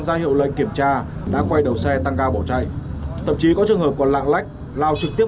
ra hiệu lệnh kiểm tra đã quay đầu xe tăng cao bỏ chạy tập trí có trường hợp còn lạng lách lao trực tiếp